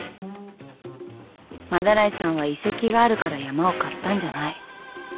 斑井さんは遺跡があるから山を買ったんじゃない。